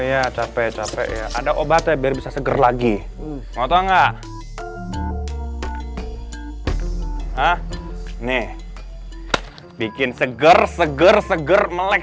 ya capek capek ya ada obatnya biar bisa seger lagi motong enggak ah nih bikin seger seger seger melek